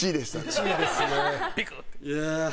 １位ですね。